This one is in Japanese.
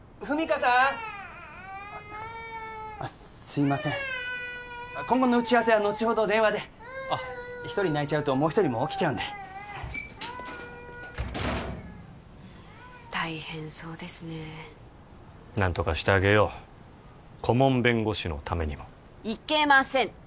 すいません今後の打ち合わせはのちほど電話であっ１人泣いちゃうともう一人も起きちゃうんで大変そうですね何とかしてあげよう顧問弁護士のためにもいけません